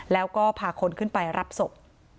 แล้วก็พาคนขึ้นไปรับศพ